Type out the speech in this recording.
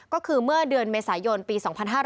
ก็คือเมื่อเดือนเมษายนปี๒๕๕๙